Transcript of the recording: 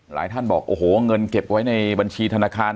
ท่านบอกโอ้โหเงินเก็บไว้ในบัญชีธนาคาร